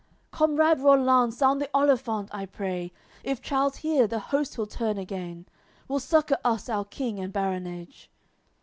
AOI. LXXXIV "Comrade Rollanz, sound the olifant, I pray; If Charles hear, the host he'll turn again; Will succour us our King and baronage."